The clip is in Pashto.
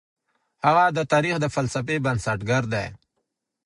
هغه د تاريخ د فلسفې بنسټګر دی.